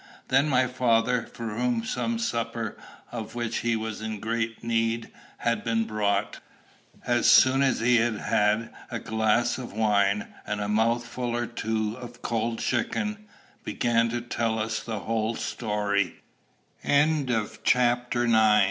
Then my father, for whom some supper, of which he was in great need, had been brought, as soon as he had had a glass of wine and a mouthful or two of cold chicken, began to tell us the whole story. CHAPTER X. WAGTAIL COMES TO HONOR.